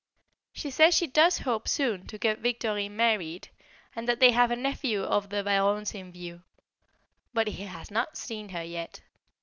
She says she does hope soon to get Victorine married, and that they have a nephew of the Baronne's in view, but he has not seen her yet.